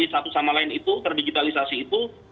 satu sama lain itu terdigitalisasi itu